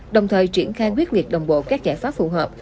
đồng thời triển khai quyết liệt đồng bộ các giải pháp phù hợp